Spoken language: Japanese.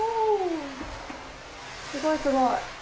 すごいすごい。